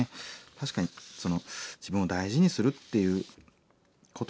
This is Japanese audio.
確かに自分を大事にするっていうことをね